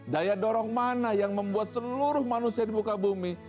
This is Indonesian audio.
daya dorong mana yang membuat seluruh manusia di muka bumi